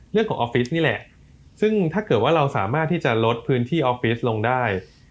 ออฟฟิศนี่แหละซึ่งถ้าเกิดว่าเราสามารถที่จะลดพื้นที่ออฟฟิศลงได้